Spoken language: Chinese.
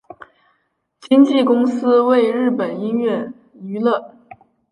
经纪公司为日本音乐娱乐。